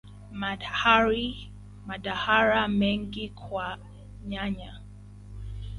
madhara mengi kwa nyanya.